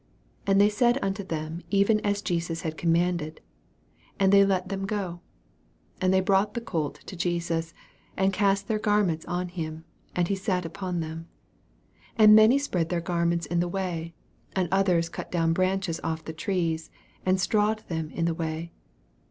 6 And they said unto them even as Jesus had cormnan led : an<_ tlj let them go. 7 And they brought th colt to Jesus, and cast their garments on him ; and he sat upon him. 8 And many spread their garments in the way : and others cut down branches off the trees, and strawed them in the way.